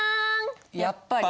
やっぱり。